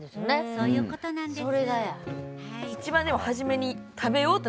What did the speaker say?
そういうことです。